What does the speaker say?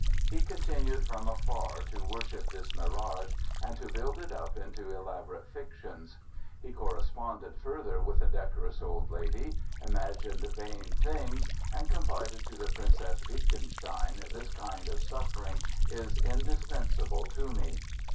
He continued from afar to worship this mirage and to build it up into elaborate fictions. He corresponded further with the decorous old lady, imagined vain things and confided to the Princess Wittgenstein "this kind of suffering is indispensable to me."